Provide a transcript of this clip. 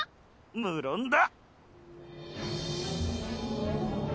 無論だ！